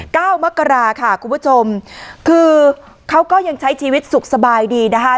เก้ามกราค่ะคุณผู้ชมคือเขาก็ยังใช้ชีวิตสุขสบายดีนะคะ